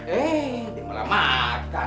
eh dia malah makan